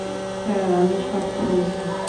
Sir, আমি সত্য বলছি।